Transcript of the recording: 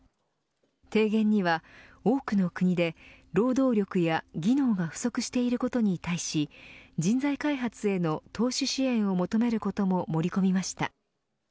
提言には、多くの国で労働力や技能が不足していることに対し人材開発への投資支援を求めることも盛り込みました。